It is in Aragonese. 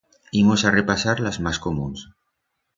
Imos a repasar las mas comuns